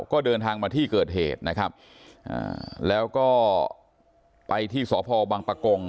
ก็เดินทางมาที่เกิดเหตุนะครับอ่าแล้วก็ไปที่สพบังปะกง